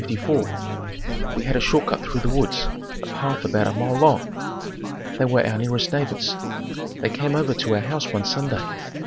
We had a short cut through the woods, a path about a mile long. They were our nearest neighbors. They came over to our house one Sunday.